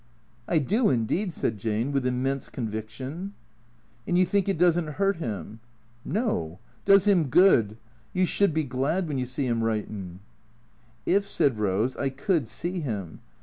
"" I do indeed," said Jane, with immense conviction. " And you think it does n't hurt him ?"" No. Does him good. You should be glad when you see him writing." " If," said Rose, " I could see 'im.